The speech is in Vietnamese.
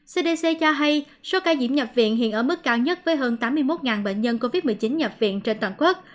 cdc cho hay số ca nhiễm nhập viện hiện ở mức cao nhất với hơn tám mươi một bệnh nhân covid một mươi chín nhập viện trên toàn quốc